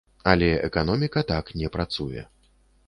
Але эканоміка так не працуе.